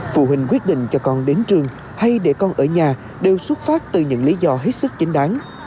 phụ huynh quyết định cho con đến trường hay để con ở nhà đều xuất phát từ những lý do hết sức chính đáng